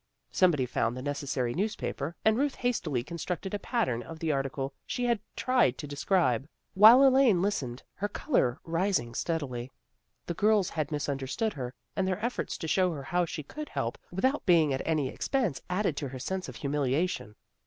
Somebody found the necessary newspaper, and Ruth hastily constructed a pattern of the article she had tried to describe, while Elaine listened, her color rising steadily. The girls had misunderstood her, and their efforts to show her how she could help without being at any expense added to her sense of humilia tion.